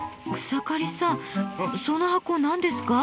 草刈さんその箱何ですか？